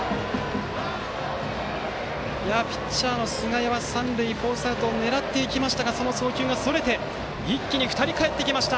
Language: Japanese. ピッチャーの菅井は三塁フォースアウトを狙っていきましたがその送球がそれて一気に２人かえってきました。